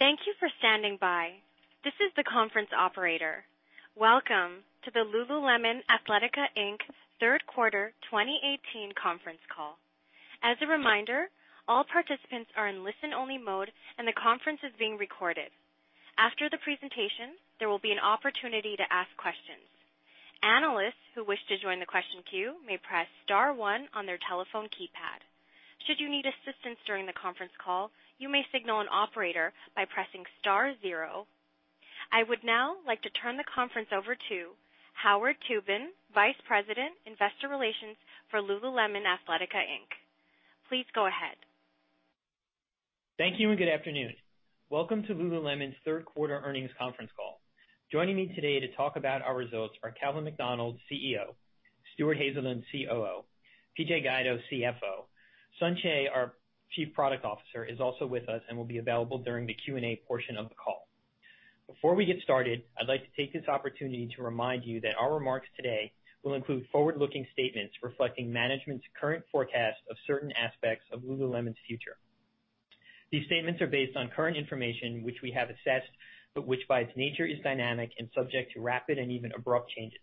Thank you for standing by. This is the conference operator. Welcome to the Lululemon Athletica Inc. third quarter 2018 conference call. As a reminder, all participants are in listen only mode and the conference is being recorded. After the presentation, there will be an opportunity to ask questions. Analysts who wish to join the question queue may press star one on their telephone keypad. Should you need assistance during the conference call, you may signal an operator by pressing star zero. I would now like to turn the conference over to Howard Tubin, Vice President, Investor Relations for Lululemon Athletica Inc. Please go ahead. Thank you. Good afternoon. Welcome to Lululemon's third quarter earnings conference call. Joining me today to talk about our results are Calvin McDonald, CEO, Stuart Haselden, COO, Patrick Guido, CFO. Sun Choe, our Chief Product Officer, is also with us and will be available during the Q&A portion of the call. Before we get started, I'd like to take this opportunity to remind you that our remarks today will include forward-looking statements reflecting management's current forecast of certain aspects of Lululemon's future. These statements are based on current information which we have assessed, which by its nature is dynamic and subject to rapid and even abrupt changes.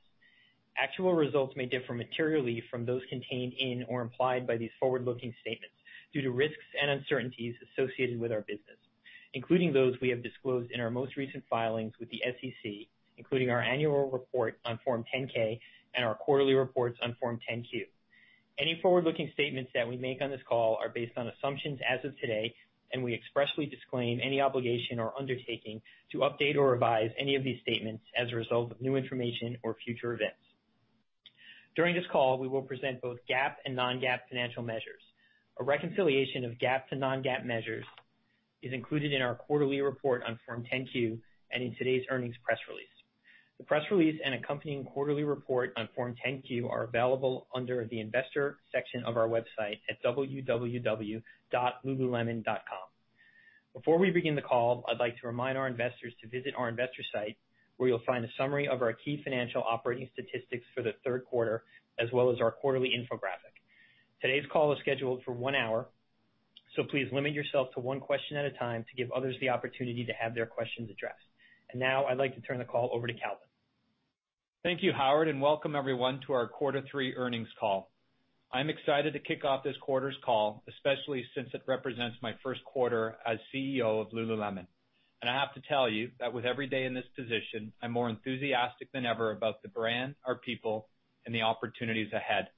Actual results may differ materially from those contained in or implied by these forward-looking statements due to risks and uncertainties associated with our business, including those we have disclosed in our most recent filings with the SEC, including our annual report on Form 10-K and our quarterly reports on Form 10-Q. Any forward-looking statements that we make on this call are based on assumptions as of today. We expressly disclaim any obligation or undertaking to update or revise any of these statements as a result of new information or future events. During this call, we will present both GAAP and non-GAAP financial measures. A reconciliation of GAAP to non-GAAP measures is included in our quarterly report on Form 10-Q and in today's earnings press release. The press release and accompanying quarterly report on Form 10-Q are available under the investor section of our website at www.lululemon.com. Before we begin the call, I'd like to remind our investors to visit our investor site, where you'll find a summary of our key financial operating statistics for the third quarter, as well as our quarterly infographic. Today's call is scheduled for one hour. Please limit yourself to one question at a time to give others the opportunity to have their questions addressed. Now I'd like to turn the call over to Calvin. Thank you, Howard, and welcome everyone to our quarter three earnings call. I'm excited to kick off this quarter's call, especially since it represents my first quarter as CEO of Lululemon. I have to tell you that with every day in this position, I'm more enthusiastic than ever about the brand, our people, and the opportunities ahead.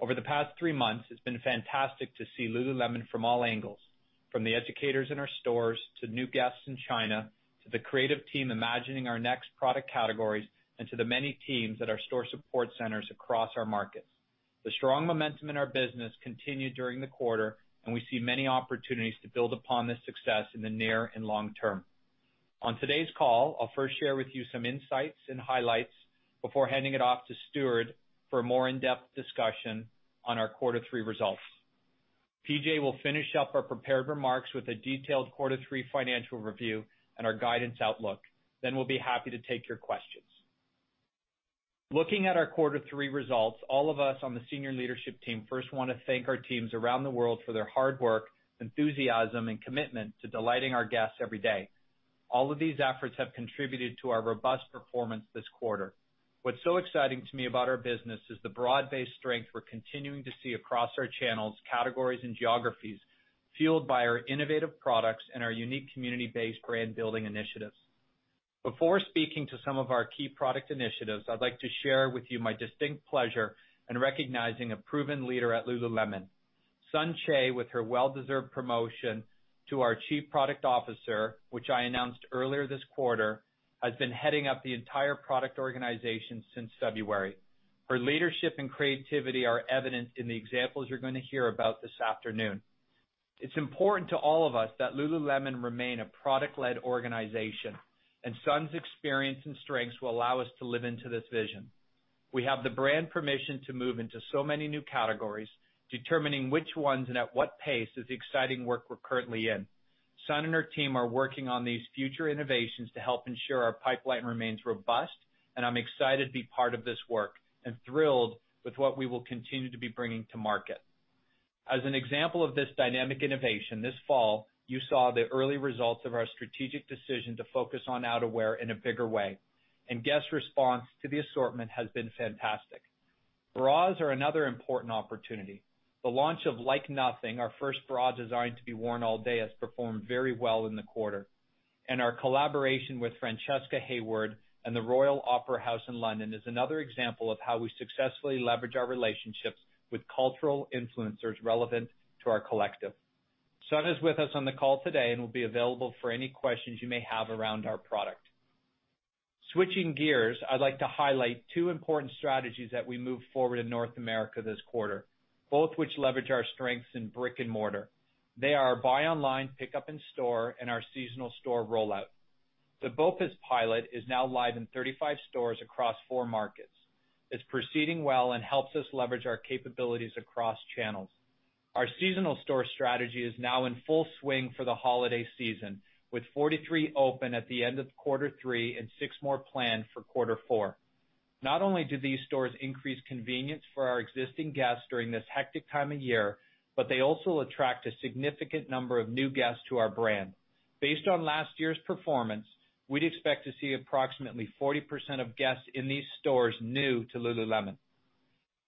Over the past three months, it's been fantastic to see Lululemon from all angles, from the educators in our stores to new guests in China, to the creative team imagining our next product categories, and to the many teams at our store support centers across our markets. The strong momentum in our business continued during the quarter. We see many opportunities to build upon this success in the near and long term. On today's call, I'll first share with you some insights and highlights before handing it off to Stuart for a more in-depth discussion on our quarter three results. PJ will finish up our prepared remarks with a detailed quarter three financial review and our guidance outlook. We'll be happy to take your questions. Looking at our quarter three results, all of us on the senior leadership team first want to thank our teams around the world for their hard work, enthusiasm, and commitment to delighting our guests every day. All of these efforts have contributed to our robust performance this quarter. What's so exciting to me about our business is the broad-based strength we're continuing to see across our channels, categories, and geographies, fueled by our innovative products and our unique community-based brand building initiatives. Before speaking to some of our key product initiatives, I'd like to share with you my distinct pleasure in recognizing a proven leader at Lululemon. Sun Choe, with her well-deserved promotion to our Chief Product Officer, which I announced earlier this quarter, has been heading up the entire product organization since February. Her leadership and creativity are evident in the examples you're going to hear about this afternoon. It's important to all of us that Lululemon remain a product-led organization. Sun's experience and strengths will allow us to live into this vision. We have the brand permission to move into so many new categories. Determining which ones and at what pace is the exciting work we're currently in. Sun and her team are working on these future innovations to help ensure our pipeline remains robust. I'm excited to be part of this work and thrilled with what we will continue to be bringing to market. As an example of this dynamic innovation this fall, you saw the early results of our strategic decision to focus on outerwear in a bigger way. Guest response to the assortment has been fantastic. Bras are another important opportunity. The launch of Like Nothing, our first bra designed to be worn all day, has performed very well in the quarter. Our collaboration with Francesca Hayward and the Royal Opera House in London is another example of how we successfully leverage our relationships with cultural influencers relevant to our collective. Sun is with us on the call today and will be available for any questions you may have around our product. Switching gears, I'd like to highlight two important strategies that we moved forward in North America this quarter, both which leverage our strengths in brick and mortar. They are our buy online, pick up in store, and our seasonal store rollout. The BOPIS pilot is now live in 35 stores across four markets. It's proceeding well and helps us leverage our capabilities across channels. Our seasonal store strategy is now in full swing for the holiday season, with 43 open at the end of quarter three and six more planned for quarter four. Not only do these stores increase convenience for our existing guests during this hectic time of year, but they also attract a significant number of new guests to our brand. Based on last year's performance, we'd expect to see approximately 40% of guests in these stores new to Lululemon.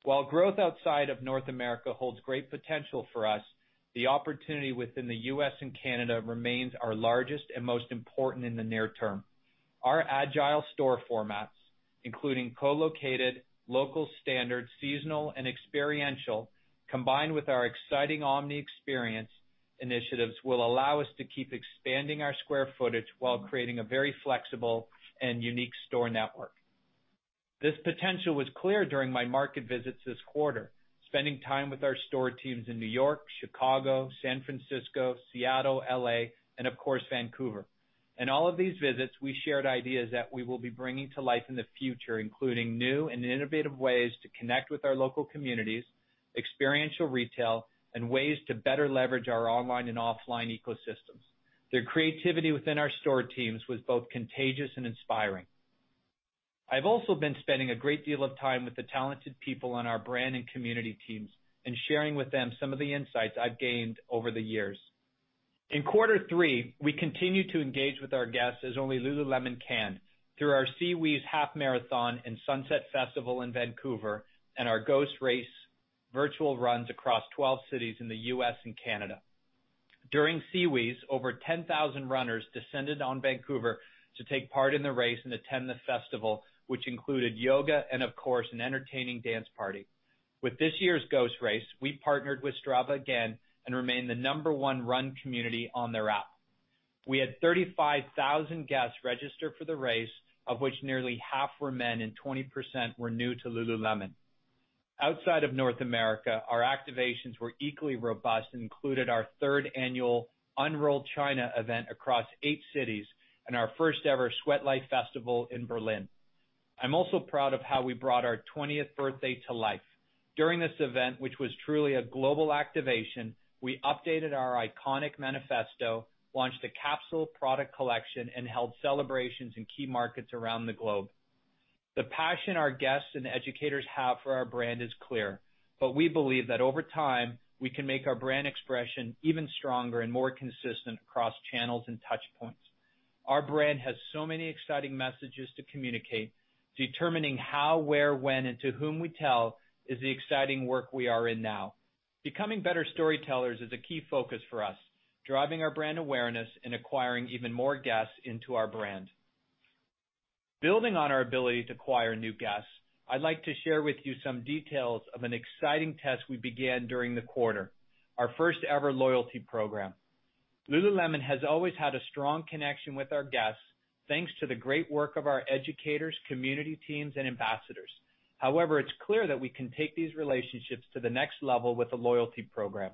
While growth outside of North America holds great potential for us, the opportunity within the U.S. and Canada remains our largest and most important in the near term. Our agile store formats, including co-located, local standard, seasonal, and experiential, combined with our exciting omni experience initiatives, will allow us to keep expanding our square footage while creating a very flexible and unique store network. This potential was clear during my market visits this quarter, spending time with our store teams in New York, Chicago, San Francisco, Seattle, L.A., and of course, Vancouver. In all of these visits, we shared ideas that we will be bringing to life in the future, including new and innovative ways to connect with our local communities, experiential retail, and ways to better leverage our online and offline ecosystems. The creativity within our store teams was both contagious and inspiring. I've also been spending a great deal of time with the talented people on our brand and community teams and sharing with them some of the insights I've gained over the years. In quarter three, we continued to engage with our guests as only Lululemon can, through our SeaWheeze half marathon and Sunset Festival in Vancouver, and our Ghost Race virtual runs across 12 cities in the U.S. and Canada. During SeaWheeze, over 10,000 runners descended on Vancouver to take part in the race and attend the festival, which included yoga and, of course, an entertaining dance party. With this year's Ghost Race, we partnered with Strava again and remained the number one run community on their app. We had 35,000 guests register for the race, of which nearly half were men and 20% were new to Lululemon. Outside of North America, our activations were equally robust and included our third annual Unroll China event across eight cities and our first ever Sweat Life Festival in Berlin. I'm also proud of how we brought our 20th birthday to life. During this event, which was truly a global activation, we updated our iconic manifesto, launched a capsule product collection, and held celebrations in key markets around the globe. We believe that over time, we can make our brand expression even stronger and more consistent across channels and touchpoints. Our brand has so many exciting messages to communicate. Determining how, where, when, and to whom we tell is the exciting work we are in now. Becoming better storytellers is a key focus for us, driving our brand awareness and acquiring even more guests into our brand. Building on our ability to acquire new guests, I'd like to share with you some details of an exciting test we began during the quarter, our first ever loyalty program. Lululemon has always had a strong connection with our guests, thanks to the great work of our educators, community teams, and ambassadors. However, it's clear that we can take these relationships to the next level with a loyalty program.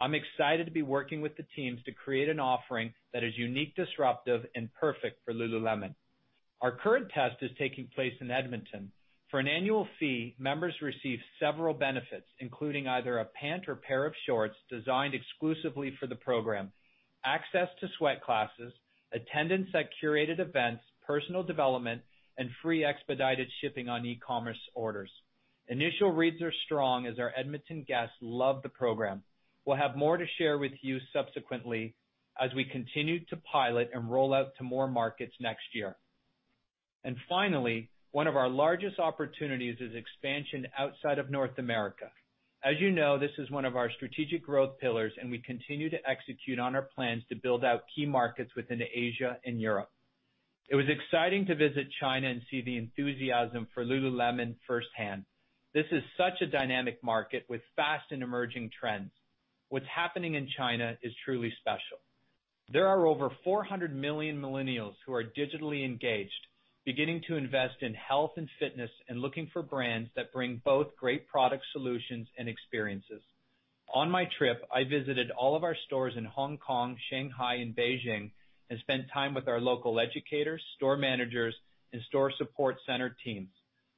I'm excited to be working with the teams to create an offering that is unique, disruptive, and perfect for Lululemon. Our current test is taking place in Edmonton. For an annual fee, members receive several benefits, including either a pant or pair of shorts designed exclusively for the program, access to sweat classes, attendance at curated events, personal development, and free expedited shipping on e-commerce orders. Initial reads are strong as our Edmonton guests love the program. We'll have more to share with you subsequently as we continue to pilot and roll out to more markets next year. Finally, one of our largest opportunities is expansion outside of North America. As you know, this is one of our strategic growth pillars, and we continue to execute on our plans to build out key markets within Asia and Europe. It was exciting to visit China and see the enthusiasm for Lululemon firsthand. This is such a dynamic market with fast and emerging trends. What's happening in China is truly special. There are over 400 million millennials who are digitally engaged, beginning to invest in health and fitness, and looking for brands that bring both great product solutions and experiences. On my trip, I visited all of our stores in Hong Kong, Shanghai, and Beijing and spent time with our local educators, store managers, and store support center teams.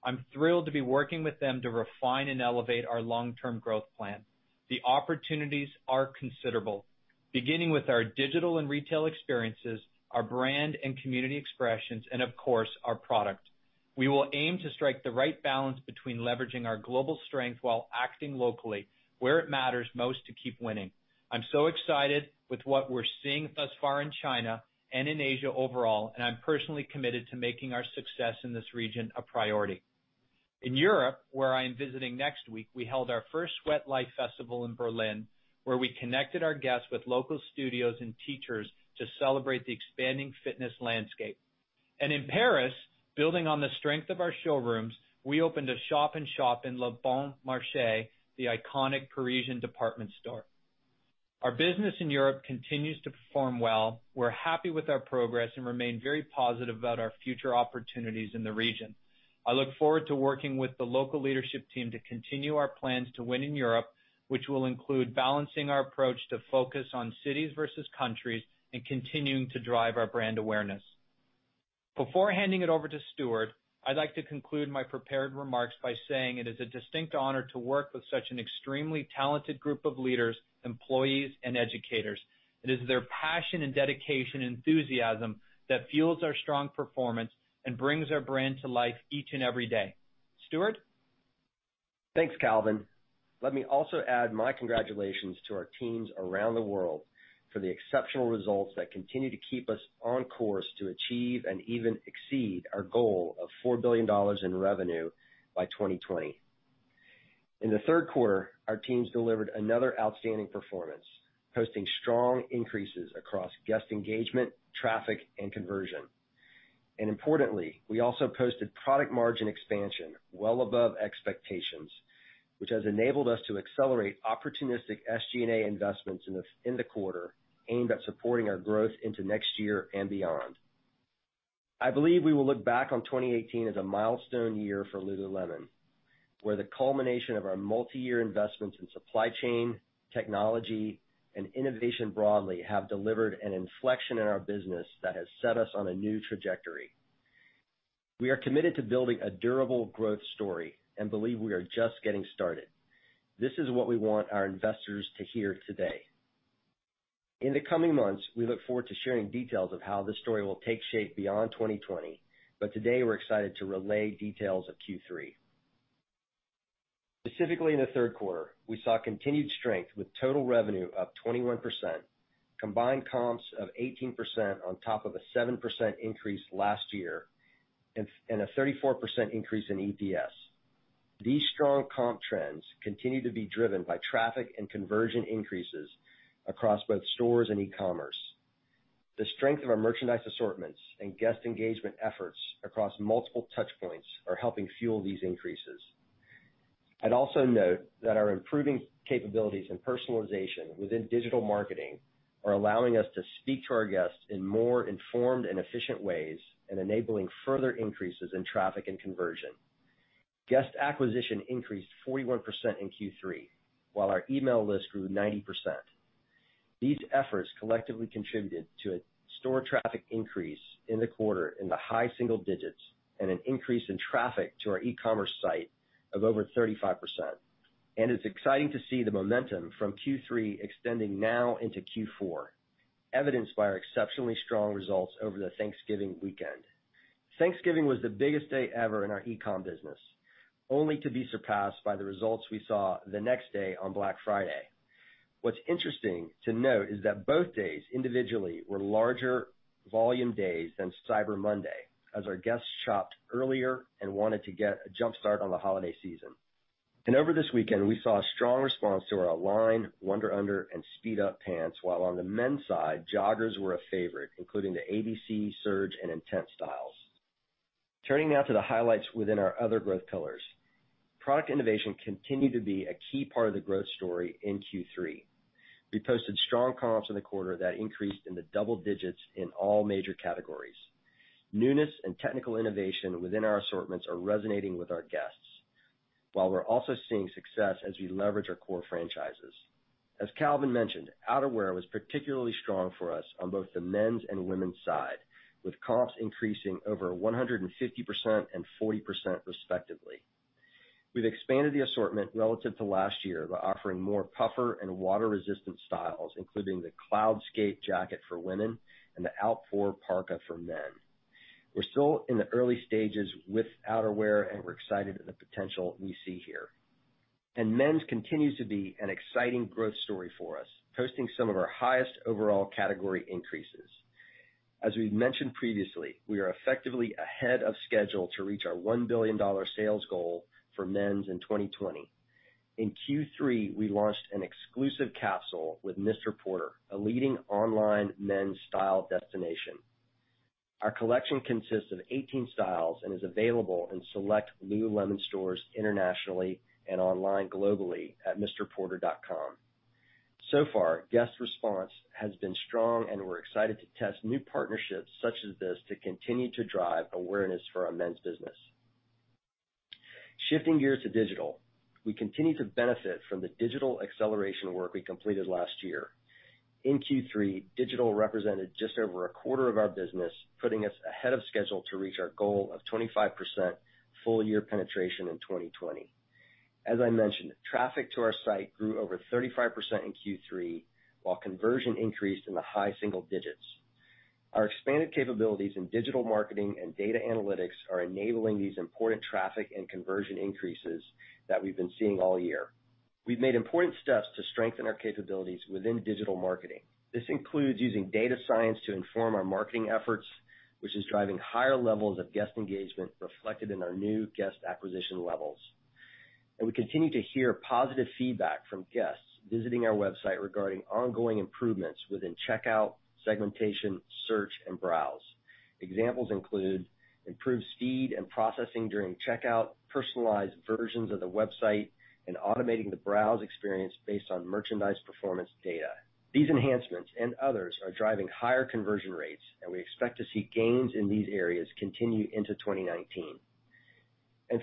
I'm thrilled to be working with them to refine and elevate our long-term growth plan. The opportunities are considerable, beginning with our digital and retail experiences, our brand and community expressions, and of course, our product. We will aim to strike the right balance between leveraging our global strength while acting locally where it matters most to keep winning. I'm so excited with what we're seeing thus far in China and in Asia overall, and I'm personally committed to making our success in this region a priority. In Europe, where I am visiting next week, we held our first Sweat Life Festival in Berlin, where we connected our guests with local studios and teachers to celebrate the expanding fitness landscape. In Paris, building on the strength of our showrooms, we opened a shop-in-shop in Le Bon Marché, the iconic Parisian department store. Our business in Europe continues to perform well. We're happy with our progress and remain very positive about our future opportunities in the region. I look forward to working with the local leadership team to continue our plans to win in Europe, which will include balancing our approach to focus on cities versus countries and continuing to drive our brand awareness. Before handing it over to Stuart, I'd like to conclude my prepared remarks by saying it is a distinct honor to work with such an extremely talented group of leaders, employees, and educators. It is their passion and dedication, enthusiasm that fuels our strong performance and brings our brand to life each and every day. Stuart? Thanks, Calvin. Let me also add my congratulations to our teams around the world for the exceptional results that continue to keep us on course to achieve and even exceed our goal of $4 billion in revenue by 2020. In the third quarter, our teams delivered another outstanding performance, posting strong increases across guest engagement, traffic, and conversion. Importantly, we also posted product margin expansion well above expectations, which has enabled us to accelerate opportunistic SG&A investments in the quarter, aimed at supporting our growth into next year and beyond. I believe we will look back on 2018 as a milestone year for Lululemon, where the culmination of our multi-year investments in supply chain, technology, and innovation broadly have delivered an inflection in our business that has set us on a new trajectory. We are committed to building a durable growth story and believe we are just getting started. This is what we want our investors to hear today. In the coming months, we look forward to sharing details of how this story will take shape beyond 2020. Today, we're excited to relay details of Q3. Specifically in the third quarter, we saw continued strength with total revenue up 21%, combined comps of 18% on top of a 7% increase last year, and a 34% increase in EPS. These strong comp trends continue to be driven by traffic and conversion increases across both stores and e-commerce. The strength of our merchandise assortments and guest engagement efforts across multiple touch points are helping fuel these increases. I'd also note that our improving capabilities in personalization within digital marketing are allowing us to speak to our guests in more informed and efficient ways and enabling further increases in traffic and conversion. Guest acquisition increased 41% in Q3, while our email list grew 90%. These efforts collectively contributed to a store traffic increase in the quarter in the high single digits and an increase in traffic to our e-commerce site of over 35%. It's exciting to see the momentum from Q3 extending now into Q4, evidenced by our exceptionally strong results over the Thanksgiving weekend. Thanksgiving was the biggest day ever in our e-com business, only to be surpassed by the results we saw the next day on Black Friday. What's interesting to note is that both days individually were larger volume days than Cyber Monday, as our guests shopped earlier and wanted to get a jump start on the holiday season. Over this weekend, we saw a strong response to our Align, Wunder Under, and Speed Up pants, while on the men's side, joggers were a favorite, including the ABC, Surge, and Intent styles. Turning now to the highlights within our other growth pillars. Product innovation continued to be a key part of the growth story in Q3. We posted strong comps in the quarter that increased in the double digits in all major categories. Newness and technical innovation within our assortments are resonating with our guests. While we're also seeing success as we leverage our core franchises. As Calvin mentioned, outerwear was particularly strong for us on both the men's and women's side, with comps increasing over 150% and 40% respectively. We've expanded the assortment relative to last year by offering more puffer and water-resistant styles, including the Cloudscape jacket for women and the Outpour parka for men. We're still in the early stages with outerwear. We're excited at the potential we see here. Men's continues to be an exciting growth story for us, posting some of our highest overall category increases. As we've mentioned previously, we are effectively ahead of schedule to reach our $1 billion sales goal for men's in 2020. In Q3, we launched an exclusive capsule with MR PORTER, a leading online men's style destination. Our collection consists of 18 styles and is available in select Lululemon stores internationally and online globally at mrporter.com. Far, guest response has been strong. We're excited to test new partnerships such as this to continue to drive awareness for our men's business. Shifting gears to digital. We continue to benefit from the digital acceleration work we completed last year. In Q3, digital represented just over a quarter of our business, putting us ahead of schedule to reach our goal of 25% full-year penetration in 2020. As I mentioned, traffic to our site grew over 35% in Q3, while conversion increased in the high single digits. Our expanded capabilities in digital marketing and data analytics are enabling these important traffic and conversion increases that we've been seeing all year. We've made important steps to strengthen our capabilities within digital marketing. This includes using data science to inform our marketing efforts, which is driving higher levels of guest engagement reflected in our new guest acquisition levels. We continue to hear positive feedback from guests visiting our website regarding ongoing improvements within checkout, segmentation, search, and browse. Examples include improved speed and processing during checkout, personalized versions of the website, and automating the browse experience based on merchandise performance data. These enhancements and others are driving higher conversion rates. We expect to see gains in these areas continue into 2019.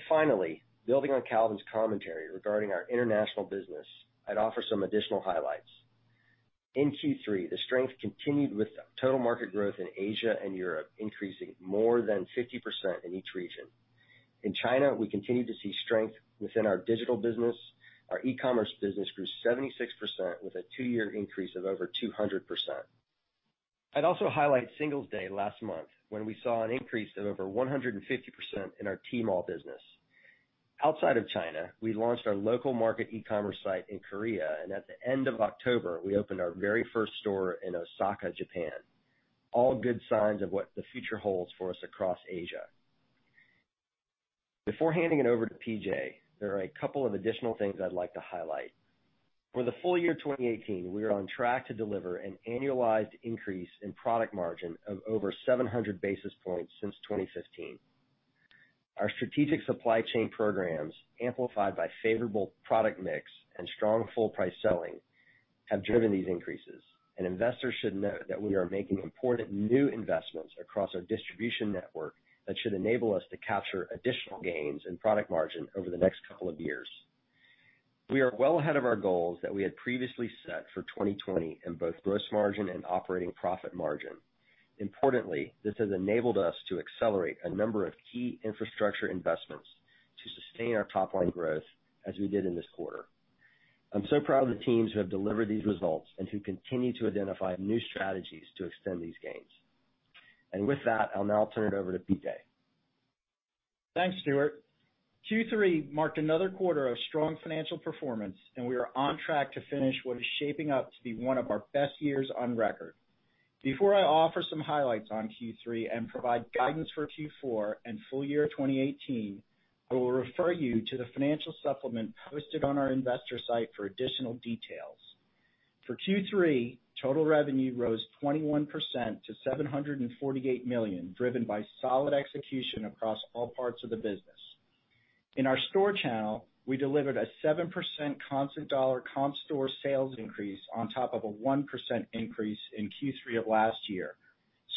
Finally, building on Calvin's commentary regarding our international business, I'd offer some additional highlights. In Q3, the strength continued with total market growth in Asia and Europe increasing more than 50% in each region. In China, we continue to see strength within our digital business. Our e-commerce business grew 76% with a two-year increase of over 200%. I'd also highlight Singles Day last month when we saw an increase of over 150% in our Tmall business. Outside of China, we launched our local market e-commerce site in Korea. At the end of October, we opened our very first store in Osaka, Japan. All good signs of what the future holds for us across Asia. Before handing it over to PJ, there are a couple of additional things I'd like to highlight. For the full year 2018, we are on track to deliver an annualized increase in product margin of over 700 basis points since 2015. Our strategic supply chain programs, amplified by favorable product mix and strong full price selling, have driven these increases. Investors should note that we are making important new investments across our distribution network that should enable us to capture additional gains in product margin over the next couple of years. We are well ahead of our goals that we had previously set for 2020 in both gross margin and operating profit margin. Importantly, this has enabled us to accelerate a number of key infrastructure investments to sustain our top-line growth as we did in this quarter. I'm so proud of the teams who have delivered these results and who continue to identify new strategies to extend these gains. With that, I'll now turn it over to PJ. Thanks, Stuart. Q3 marked another quarter of strong financial performance. We are on track to finish what is shaping up to be one of our best years on record. Before I offer some highlights on Q3 and provide guidance for Q4 and full year 2018, I will refer you to the financial supplement posted on our investor site for additional details. For Q3, total revenue rose 21% to $748 million, driven by solid execution across all parts of the business. In our store channel, we delivered a 7% constant dollar comp store sales increase on top of a 1% increase in Q3 of last year.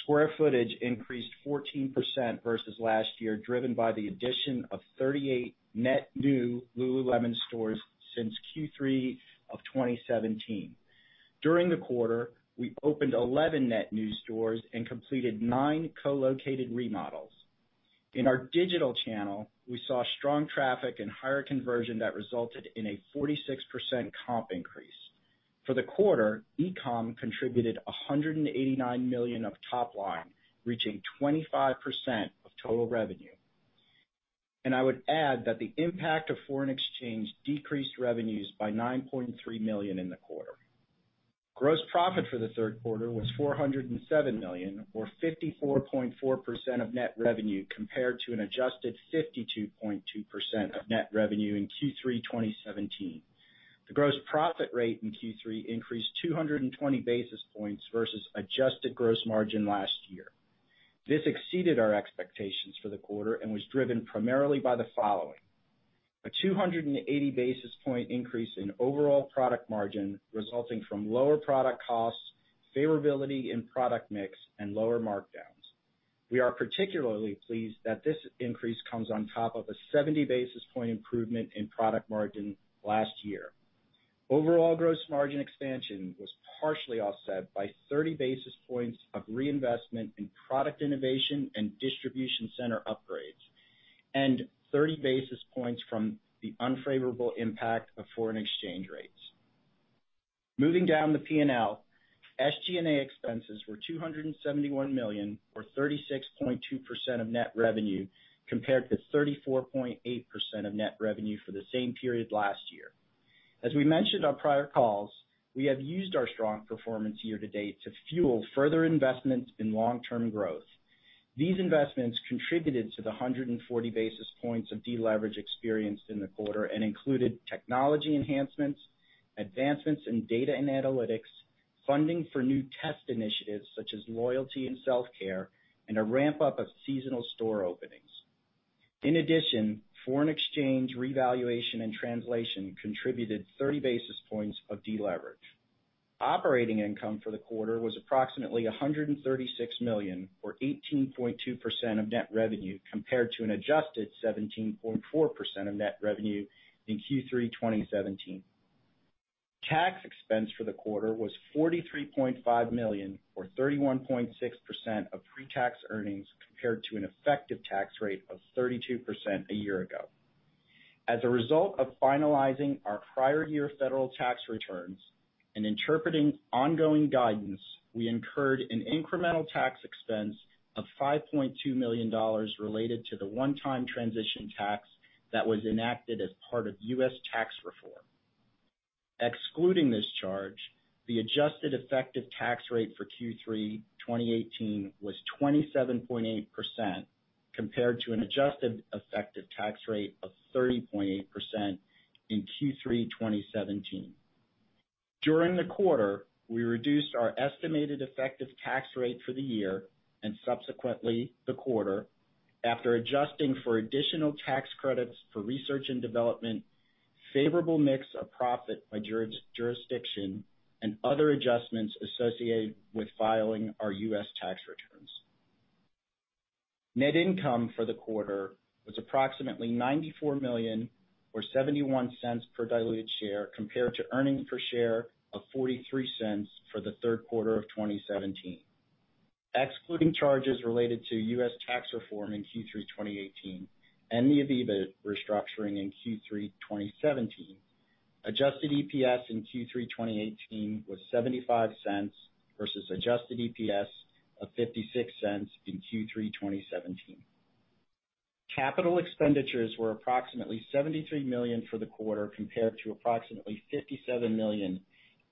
Square footage increased 14% versus last year, driven by the addition of 38 net new Lululemon stores since Q3 of 2017. During the quarter, we opened 11 net new stores and completed nine co-located remodels. In our digital channel, we saw strong traffic and higher conversion that resulted in a 46% comp increase. For the quarter, e-com contributed $189 million of top line, reaching 25% of total revenue. I would add that the impact of foreign exchange decreased revenues by $9.3 million in the quarter. Gross profit for the third quarter was $407 million, or 54.4% of net revenue, compared to an adjusted 52.2% of net revenue in Q3 2017. The gross profit rate in Q3 increased 220 basis points versus adjusted gross margin last year. This exceeded our expectations for the quarter and was driven primarily by the following. A 280 basis point increase in overall product margin, resulting from lower product costs, favorability in product mix, and lower markdowns. We are particularly pleased that this increase comes on top of a 70 basis point improvement in product margin last year. Overall gross margin expansion was partially offset by 30 basis points of reinvestment in product innovation and distribution center upgrades, 30 basis points from the unfavorable impact of foreign exchange rates. Moving down the P&L, SG&A expenses were $271 million, or 36.2% of net revenue, compared to 34.8% of net revenue for the same period last year. As we mentioned on prior calls, we have used our strong performance year to date to fuel further investments in long-term growth. These investments contributed to the 140 basis points of deleverage experienced in the quarter and included technology enhancements, advancements in data and analytics, funding for new test initiatives such as loyalty and self-care, and a ramp-up of seasonal store openings. In addition, foreign exchange revaluation and translation contributed 30 basis points of deleverage. Operating income for the quarter was approximately $136 million, or 18.2% of net revenue, compared to an adjusted 17.4% of net revenue in Q3 2017. Tax expense for the quarter was $43.5 million, or 31.6% of pre-tax earnings, compared to an effective tax rate of 32% a year ago. As a result of finalizing our prior year federal tax returns and interpreting ongoing guidance, we incurred an incremental tax expense of $5.2 million related to the one-time transition tax that was enacted as part of U.S. tax reform. Excluding this charge, the adjusted effective tax rate for Q3 2018 was 27.8%, compared to an adjusted effective tax rate of 30.8% in Q3 2017. During the quarter, we reduced our estimated effective tax rate for the year, subsequently the quarter, after adjusting for additional tax credits for research and development, favorable mix of profit by jurisdiction, and other adjustments associated with filing our U.S. tax returns. Net income for the quarter was approximately $94 million, or $0.71 per diluted share, compared to earnings per share of $0.43 for the third quarter of 2017. Excluding charges related to U.S. tax reform in Q3 2018 and the ivivva restructuring in Q3 2017. Adjusted EPS in Q3 2018 was $0.75 versus adjusted EPS of $0.56 in Q3 2017. Capital expenditures were approximately $73 million for the quarter, compared to approximately $57 million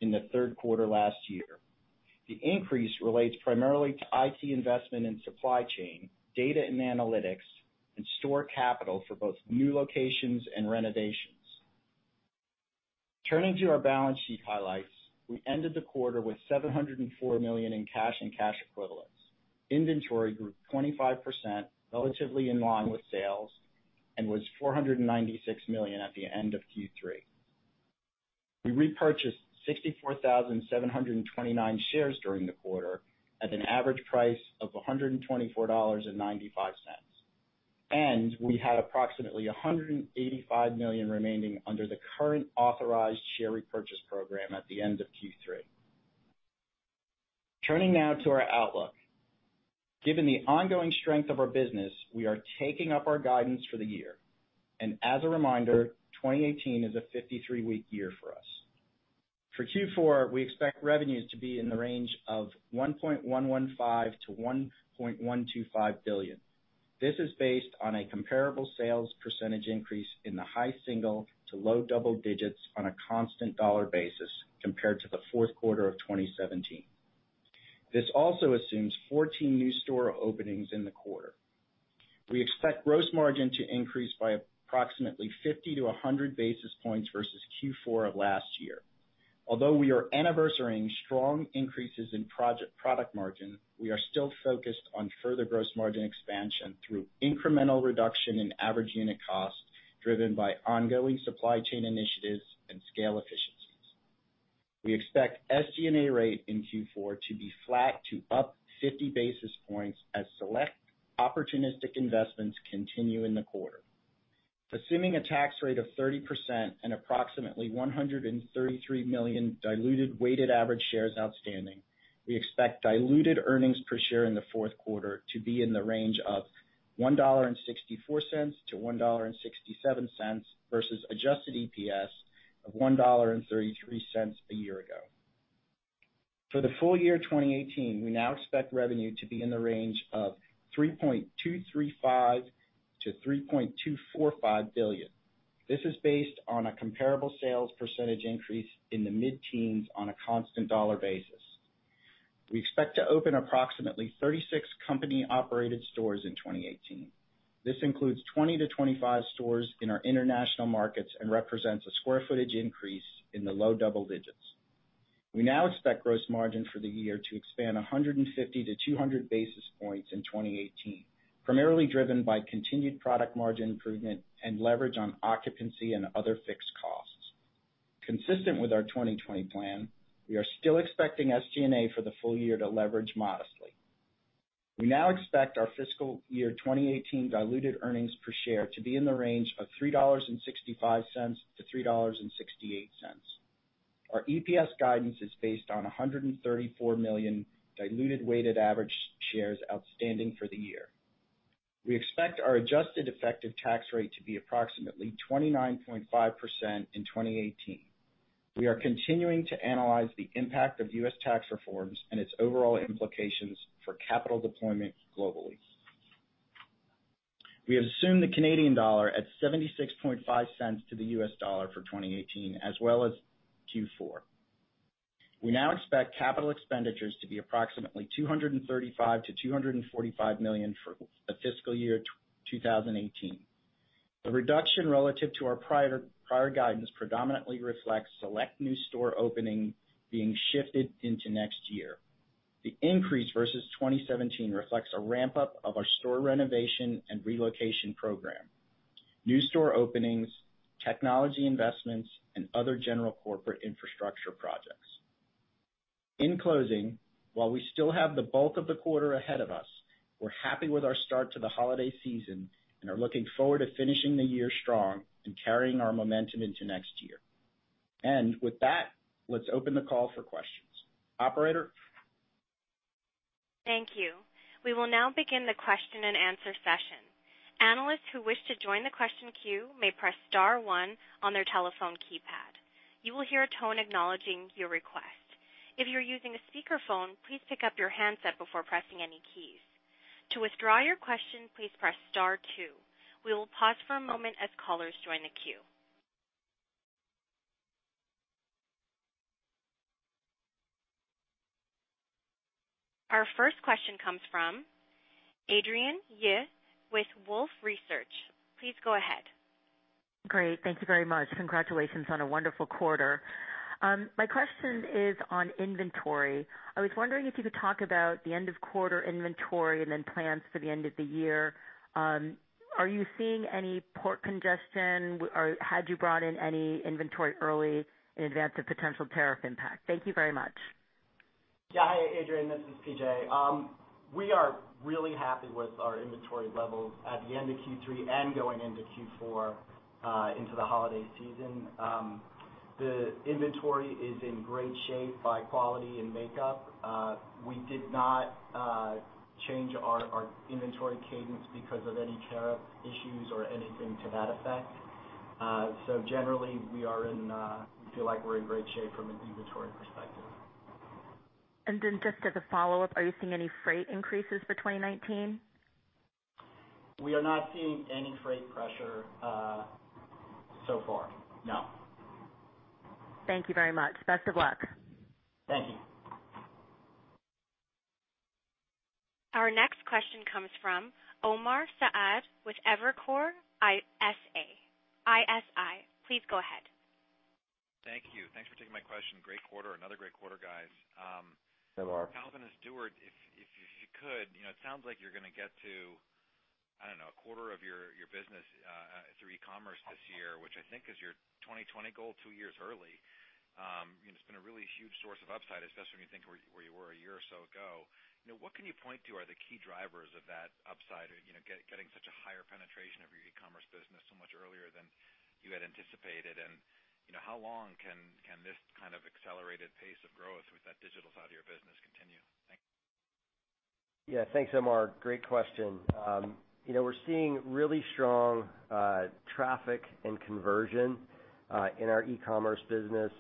in the third quarter last year. The increase relates primarily to IT investment in supply chain, data and analytics, and store capital for both new locations and renovations. Turning to our balance sheet highlights, we ended the quarter with $704 million in cash and cash equivalents. Inventory grew 25%, relatively in line with sales, and was $496 million at the end of Q3. We repurchased 64,729 shares during the quarter at an average price of $124.95. We had approximately $185 million remaining under the current authorized share repurchase program at the end of Q3. Turning now to our outlook. Given the ongoing strength of our business, we are taking up our guidance for the year. As a reminder, 2018 is a 53-week year for us. For Q4, we expect revenues to be in the range of $1.115 billion-$1.125 billion. This is based on a comparable sales percentage increase in the high single to low double digits on a constant dollar basis compared to the fourth quarter of 2017. This also assumes 14 new store openings in the quarter. We expect gross margin to increase by approximately 50-100 basis points versus Q4 of last year. Although we are anniversarying strong increases in product margin, we are still focused on further gross margin expansion through incremental reduction in average unit cost, driven by ongoing supply chain initiatives and scale efficiencies. We expect SG&A rate in Q4 to be flat to up 50 basis points as select opportunistic investments continue in the quarter. Assuming a tax rate of 30% and approximately 133 million diluted weighted average shares outstanding, we expect diluted earnings per share in the fourth quarter to be in the range of $1.64-$1.67 versus adjusted EPS of $1.33 a year ago. For the full year 2018, we now expect revenue to be in the range of $3.235 billion-$3.245 billion. This is based on a comparable sales percentage increase in the mid-teens on a constant dollar basis. We expect to open approximately 36 company-operated stores in 2018. This includes 20 to 25 stores in our international markets and represents a square footage increase in the low double digits. We now expect gross margin for the year to expand 150 to 200 basis points in 2018, primarily driven by continued product margin improvement and leverage on occupancy and other fixed costs. Consistent with our 2020 plan, we are still expecting SG&A for the full year to leverage modestly. We now expect our fiscal year 2018 diluted earnings per share to be in the range of $3.65 to $3.68. Our EPS guidance is based on 134 million diluted weighted average shares outstanding for the year. We expect our adjusted effective tax rate to be approximately 29.5% in 2018. We are continuing to analyze the impact of U.S. tax reforms and its overall implications for capital deployment globally. We assume the Canadian dollar at $0.765 to the U.S. dollar for 2018 as well as Q4. We now expect capital expenditures to be approximately $235 million-$245 million for the fiscal year 2018. The reduction relative to our prior guidance predominantly reflects select new store opening being shifted into next year. The increase versus 2017 reflects a ramp-up of our store renovation and relocation program, new store openings, technology investments, and other general corporate infrastructure projects. In closing, while we still have the bulk of the quarter ahead of us, we're happy with our start to the holiday season and are looking forward to finishing the year strong and carrying our momentum into next year. With that, let's open the call for questions. Operator? Thank you. We will now begin the question and answer session. Analysts who wish to join the question queue may press star one on their telephone keypad. You will hear a tone acknowledging your request. If you're using a speakerphone, please pick up your handset before pressing any keys. To withdraw your question, please press star two. We will pause for a moment as callers join the queue. Our first question comes from Adrienne Yih with Wolfe Research. Please go ahead. Great. Thank you very much. Congratulations on a wonderful quarter. My question is on inventory. I was wondering if you could talk about the end of quarter inventory and then plans for the end of the year. Are you seeing any port congestion, or had you brought in any inventory early in advance of potential tariff impact? Thank you very much. Yeah. Hi, Adrienne. This is PJ. We are really happy with our inventory levels at the end of Q3 and going into Q4, into the holiday season. The inventory is in great shape by quality and makeup. We did not change our inventory cadence because of any tariff issues or anything to that effect. Generally, we feel like we're in great shape from an inventory perspective. Just as a follow-up, are you seeing any freight increases for 2019? We are not seeing any freight pressure so far. No. Thank you very much. Best of luck. Thank you. Our next question comes from Omar Saad with Evercore ISI. Please go ahead. Thank you. Thanks for taking my question. Great quarter. Another great quarter, guys. Hey, Omar. Calvin and Stuart, if you could, it sounds like you're going to get to, I don't know, a quarter of your business through e-commerce this year, which I think is your 2020 goal two years early. It's been a really huge source of upside, especially when you think where you were a year or so ago. What can you point to are the key drivers of that upside, getting such a higher penetration of your e-commerce business so much earlier than you had anticipated? How long can this kind of accelerated pace of growth with that digital side of your business continue? Thanks. Yeah, thanks, Omar. Great question. We're seeing really strong traffic and conversion in our e-commerce business.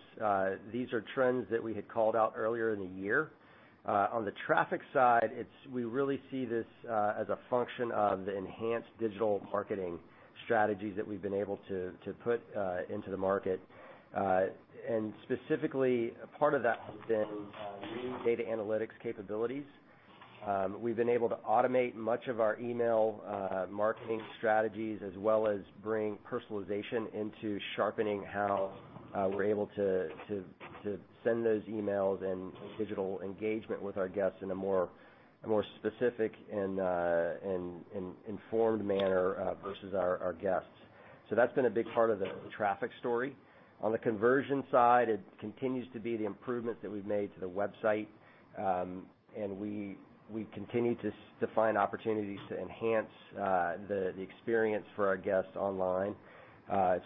These are trends that we had called out earlier in the year. On the traffic side, we really see this as a function of the enhanced digital marketing strategies that we've been able to put into the market. Specifically, a part of that has been new data analytics capabilities. We've been able to automate much of our email marketing strategies, as well as bring personalization into sharpening how we're able to send those emails and digital engagement with our guests in a more specific and informed manner versus our guests. That's been a big part of the traffic story. On the conversion side, it continues to be the improvements that we've made to the website. We continue to find opportunities to enhance the experience for our guests online.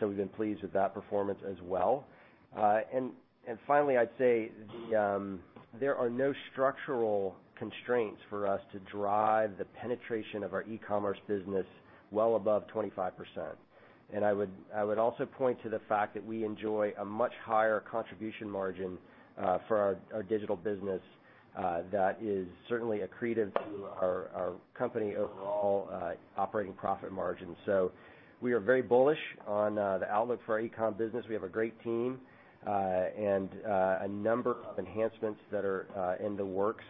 We've been pleased with that performance as well. Finally, I'd say there are no structural constraints for us to drive the penetration of our e-commerce business well above 25%. I would also point to the fact that we enjoy a much higher contribution margin for our digital business that is certainly accretive to our company overall operating profit margin. We are very bullish on the outlook for our e-com business. We have a great team, and a number of enhancements that are in the works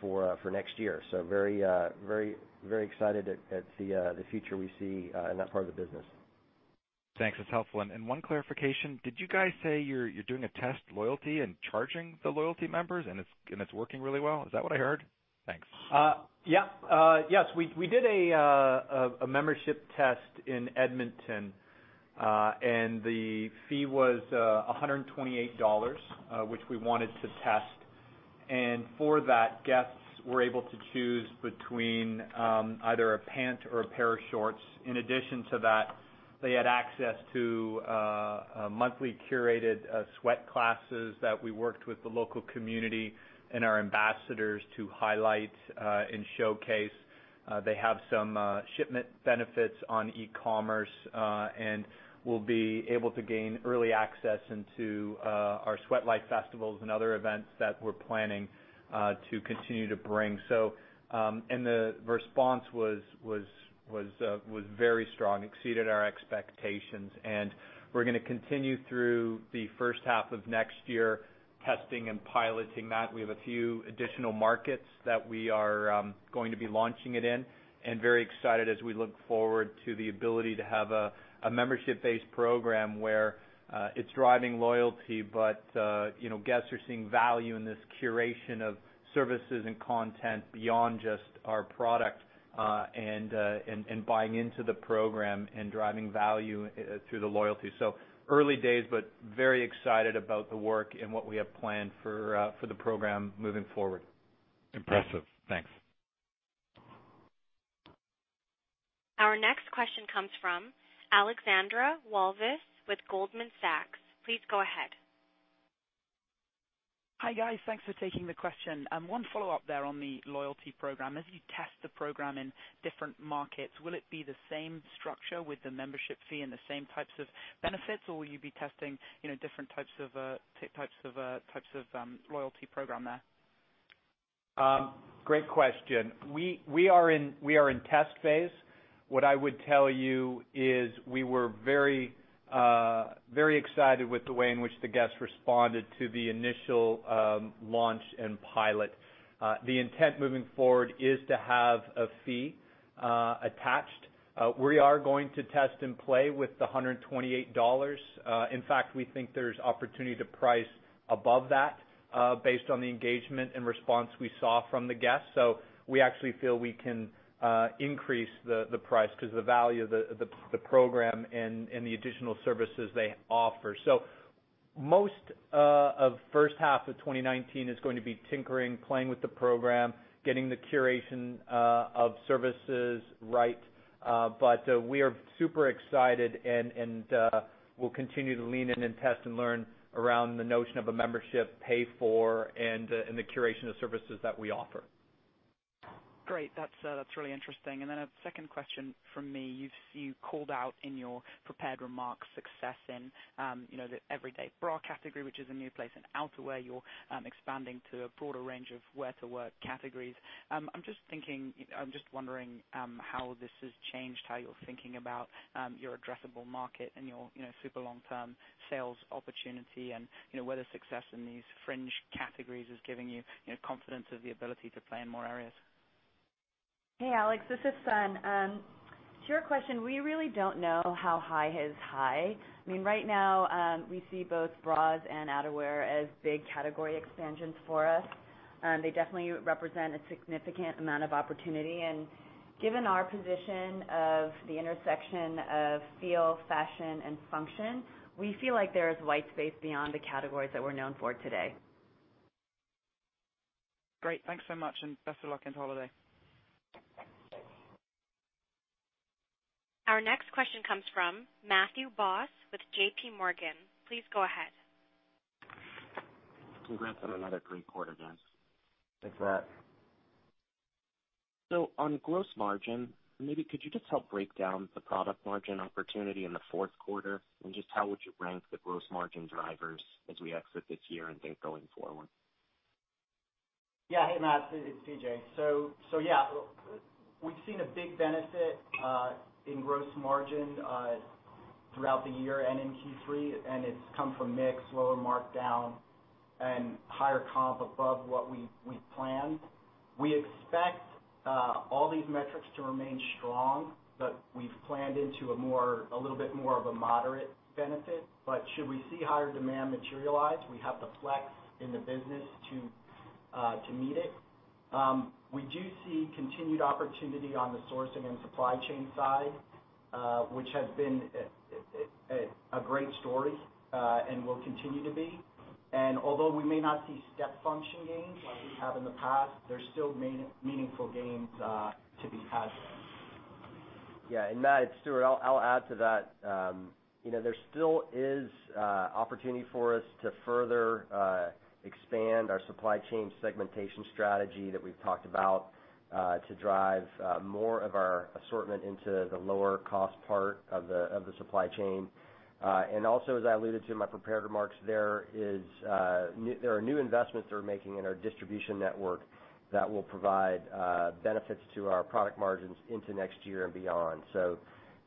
for next year. Very excited at the future we see in that part of the business. Thanks. That's helpful. One clarification, did you guys say you're doing a test loyalty and charging the loyalty members and it's working really well? Is that what I heard? Thanks. Yes. We did a membership test in Edmonton. The fee was $128, which we wanted to test. For that, guests were able to choose between either a pant or a pair of shorts. In addition to that, they had access to monthly curated sweat classes that we worked with the local community and our ambassadors to highlight and showcase. They have some shipment benefits on e-commerce, and will be able to gain early access into our Sweat Life Festivals and other events that we're planning to continue to bring. The response was very strong, exceeded our expectations. We're going to continue through the first half of next year, testing and piloting that. We have a few additional markets that we are going to be launching it in, and very excited as we look forward to the ability to have a membership-based program where it's driving loyalty. Guests are seeing value in this curation of services and content beyond just our product, and buying into the program and driving value through the loyalty. Early days, but very excited about the work and what we have planned for the program moving forward. Impressive. Thanks. Our next question comes from Alexandra Walvis with Goldman Sachs. Please go ahead. Hi, guys. Thanks for taking the question. One follow-up there on the loyalty program. As you test the program in different markets, will it be the same structure with the membership fee and the same types of benefits, or will you be testing different types of loyalty program there? Great question. We are in test phase. What I would tell you is we were very excited with the way in which the guests responded to the initial launch and pilot. The intent moving forward is to have a fee attached. We are going to test and play with the $128. In fact, we think there's opportunity to price above that based on the engagement and response we saw from the guests. We actually feel we can increase the price because the value of the program and the additional services they offer. Most of first half of 2019 is going to be tinkering, playing with the program, getting the curation of services right. We are super excited, and we'll continue to lean in and test and learn around the notion of a membership pay for and the curation of services that we offer. Great. That's really interesting. A second question from me. You called out in your prepared remarks success in the everyday bra category, which is a new place in outerwear. You're expanding to a broader range of wear to work categories. I'm just wondering how this has changed how you're thinking about your addressable market and your super long-term sales opportunity, and whether success in these fringe categories is giving you confidence of the ability to play in more areas. Hey, Alex, this is Sun. To your question, we really don't know how high is high. Right now, we see both bras and outerwear as big category expansions for us. They definitely represent a significant amount of opportunity. Given our position of the intersection of feel, fashion, and function, we feel like there is white space beyond the categories that we're known for today. Great. Thanks so much, and best of luck into holiday. Our next question comes from Matthew Boss with JPMorgan. Please go ahead. Congrats on another great quarter, guys. Thanks for that. On gross margin, maybe could you just help break down the product margin opportunity in the fourth quarter? Just how would you rank the gross margin drivers as we exit this year and think going forward? Yeah. Hey, Matt, it's PJ. Yeah, we've seen a big benefit in gross margin throughout the year in Q3, it's come from mix, lower markdown, and higher comp above what we planned. We expect all these metrics to remain strong, but we've planned into a little bit more of a moderate benefit. Should we see higher demand materialize, we have the flex in the business to meet it. We do see continued opportunity on the sourcing and supply chain side, which has been a great story, and will continue to be. Although we may not see step function gains like we have in the past, there's still meaningful gains to be had there. Yeah. Matt, it's Stuart. I'll add to that. There still is opportunity for us to further expand our supply chain segmentation strategy that we've talked about, to drive more of our assortment into the lower cost part of the supply chain. Also, as I alluded to in my prepared remarks, there are new investments that we're making in our distribution network that will provide benefits to our product margins into next year and beyond.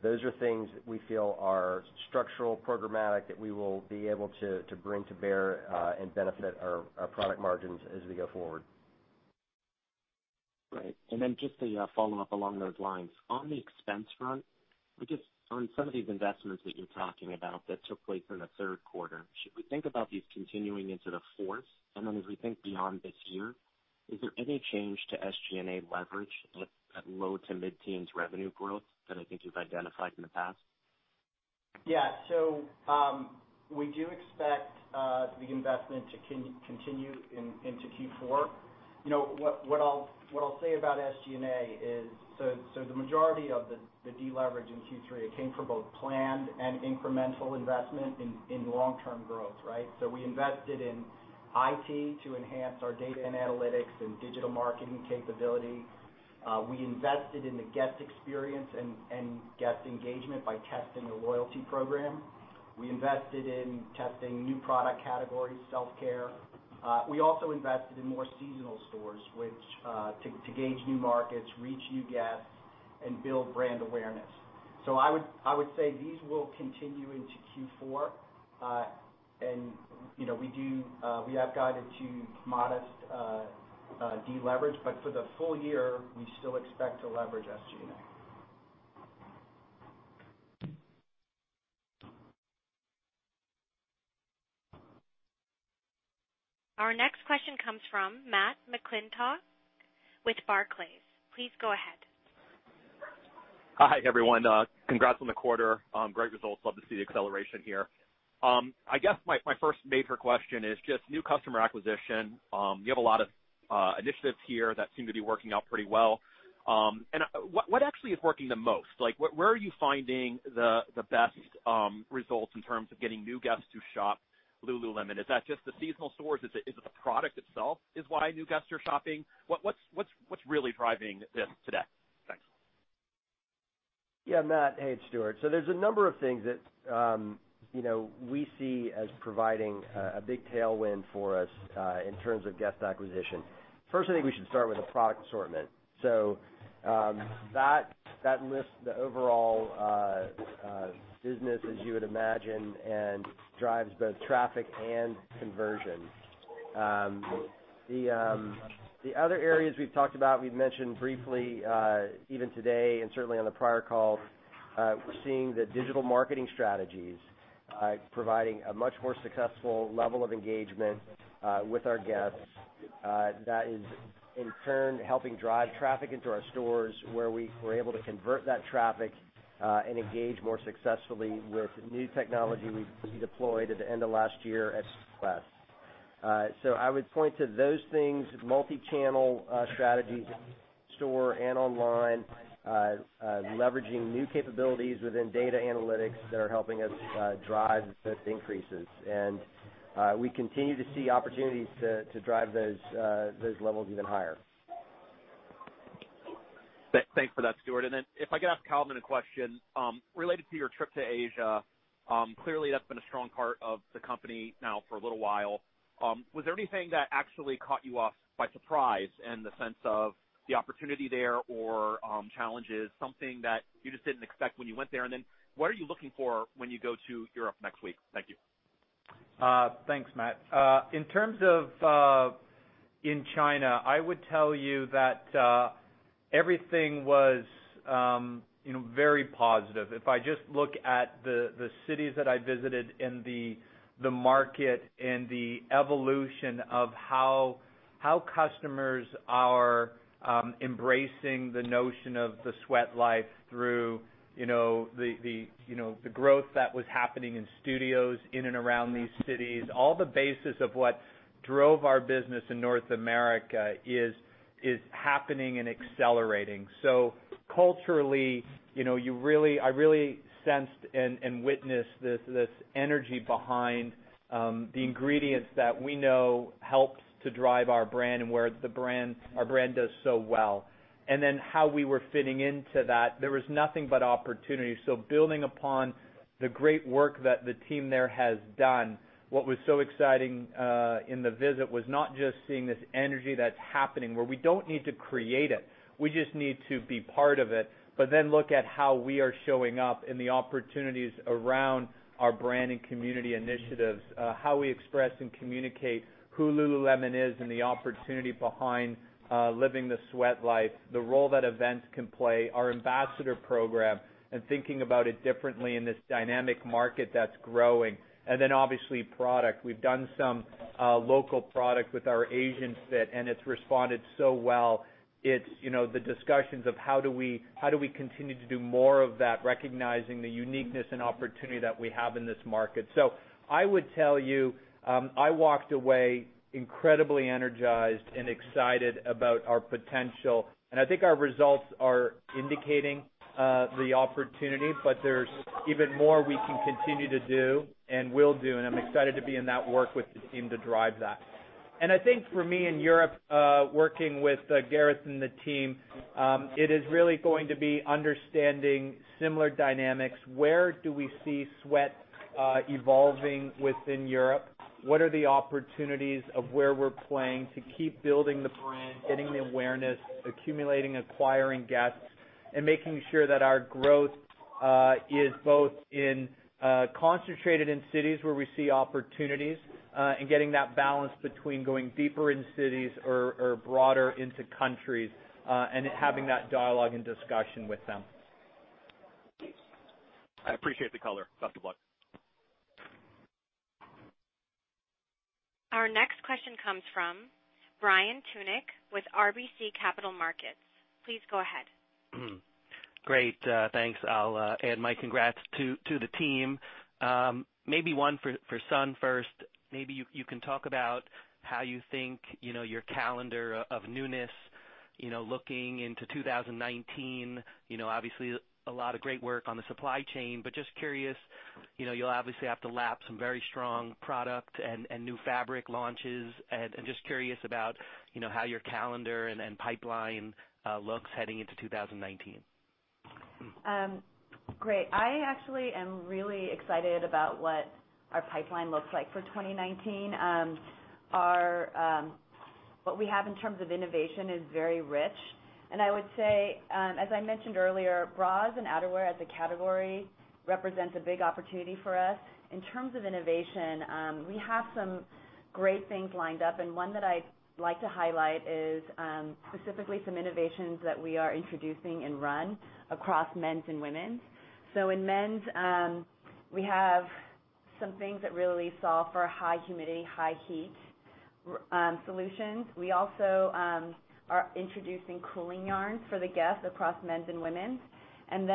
Those are things that we feel are structural, programmatic, that we will be able to bring to bear and benefit our product margins as we go forward. Great. Then just a follow-up along those lines. On the expense front, on some of these investments that you're talking about that took place in the third quarter, should we think about these continuing into the fourth? Then as we think beyond this year, is there any change to SG&A leverage at low to mid-teens revenue growth that I think you've identified in the past? Yeah. We do expect the investment to continue into Q4. What I'll say about SG&A is, the majority of the deleverage in Q3, it came from both planned and incremental investment in long-term growth. Right? We invested in IT to enhance our data and analytics and digital marketing capability. We invested in the guest experience and guest engagement by testing the loyalty program. We invested in testing new product categories, self-care. We also invested in more seasonal stores, to gauge new markets, reach new guests, and build brand awareness. I would say these will continue into Q4. We have guided to modest deleverage, but for the full year, we still expect to leverage SG&A. Our next question comes from Matthew McClintock with Barclays. Please go ahead. Hi, everyone. Congrats on the quarter. Great results. Love to see the acceleration here. I guess my first major question is just new customer acquisition. You have a lot of initiatives here that seem to be working out pretty well. What actually is working the most? Where are you finding the best results in terms of getting new guests to shop Lululemon? Is that just the seasonal stores? Is it the product itself is why new guests are shopping? What's really driving this today? Thanks. Yeah, Matt. Hey, it's Stuart. There's a number of things that we see as providing a big tailwind for us in terms of guest acquisition. First, I think we should start with the product assortment. That lifts the overall business as you would imagine, and drives both traffic and conversion. The other areas we've talked about, we've mentioned briefly, even today and certainly on the prior call, we're seeing the digital marketing strategies providing a much more successful level of engagement with our guests. That is, in turn, helping drive traffic into our stores, where we're able to convert that traffic, and engage more successfully with new technology we deployed at the end of last year at. I would point to those things, multi-channel strategies in store and online, leveraging new capabilities within data analytics that are helping us drive those increases. We continue to see opportunities to drive those levels even higher. Thanks for that, Stuart. If I could ask Calvin a question related to your trip to Asia. Clearly, that's been a strong part of the company now for a little while. Was there anything that actually caught you off by surprise in the sense of the opportunity there or challenges, something that you just didn't expect when you went there? What are you looking for when you go to Europe next week? Thank you. Thanks, Matt. In terms of in China, I would tell you that everything was very positive. If I just look at the cities that I visited and the market and the evolution of how customers are embracing the notion of the sweat life through the growth that was happening in studios in and around these cities. All the basis of what drove our business in North America is happening and accelerating. Culturally, I really sensed and witnessed this energy behind the ingredients that we know helps to drive our brand and where our brand does so well. How we were fitting into that, there was nothing but opportunity. Building upon the great work that the team there has done, what was so exciting in the visit was not just seeing this energy that's happening, where we don't need to create it, we just need to be part of it. Look at how we are showing up in the opportunities around our brand and community initiatives, how we express and communicate who Lululemon is and the opportunity behind living the sweat life, the role that events can play, our ambassador program, and thinking about it differently in this dynamic market that's growing. Obviously, product. We've done some local product with our Asian fit, and it's responded so well. It's the discussions of how do we continue to do more of that, recognizing the uniqueness and opportunity that we have in this market. I would tell you, I walked away incredibly energized and excited about our potential. I think our results are indicating the opportunity, but there's even more we can continue to do and will do, and I'm excited to be in that work with the team to drive that. I think for me in Europe, working with Gareth and the team, it is really going to be understanding similar dynamics. Where do we see sweat evolving within Europe? What are the opportunities of where we're playing to keep building the brand, getting the awareness, accumulating, acquiring guests, and making sure that our growth is both concentrated in cities where we see opportunities, and getting that balance between going deeper in cities or broader into countries, and having that dialogue and discussion with them. I appreciate the color. Best of luck. Our next question comes from Brian Tunick with RBC Capital Markets. Please go ahead. Great. Thanks. I'll add my congrats to the team. Maybe one for Sun first. Maybe you can talk about how you think your calendar of newness, looking into 2019. Obviously, a lot of great work on the supply chain, but just curious, you'll obviously have to lap some very strong product and new fabric launches. I'm just curious about how your calendar and pipeline looks heading into 2019. Great. I actually am really excited about what our pipeline looks like for 2019. What we have in terms of innovation is very rich. I would say, as I mentioned earlier, bras and outerwear as a category represents a big opportunity for us. In terms of innovation, we have some great things lined up. One that I'd like to highlight is specifically some innovations that we are introducing in run across men's and women's. In men's, we have some things that really solve for high humidity, high heat solutions. We also are introducing cooling yarns for the guest across men's and women's. In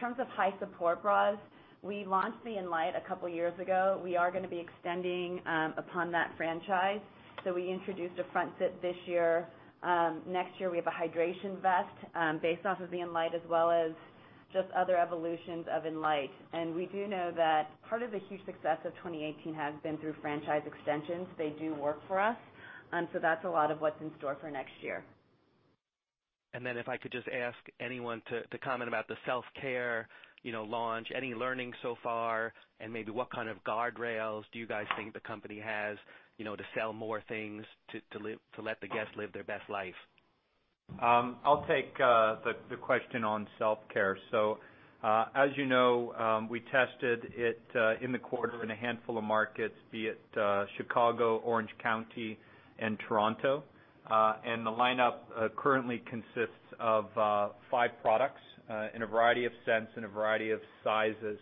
terms of high support bras, we launched the Enlite a couple of years ago. We are going to be extending upon that franchise. We introduced a front fit this year. Next year, we have a hydration vest based off of the Enlite, as well as just other evolutions of Enlite. We do know that part of the huge success of 2018 has been through franchise extensions. They do work for us. That's a lot of what's in store for next year. If I could just ask anyone to comment about the self-care launch. Any learning so far? Maybe what kind of guardrails do you guys think the company has to sell more things to let the guest live their best life? I'll take the question on self-care. As you know, we tested it in the quarter in a handful of markets, be it Chicago, Orange County, and Toronto. The lineup currently consists of five products in a variety of scents, in a variety of sizes.